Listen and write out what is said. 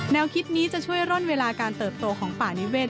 แนวคิดนี้จะช่วยร่อนเวลาการเติบโตของป่านิเวศ